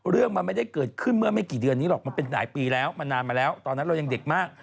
เรื่องมันไม่ได้เกิดขึ้นเมื่อไม่กี่เดือนนี้หรอกมันเป็นหลายปีแล้วมันนานมาแล้วตอนนั้นเรายังเด็กมาก